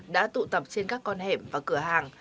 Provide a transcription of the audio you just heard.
đã tụ tập trên các con hẻm và cửa hàng